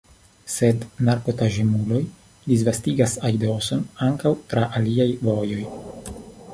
Sed narkotaĵemuloj disvastigas aidoson ankaŭ tra aliaj vojoj.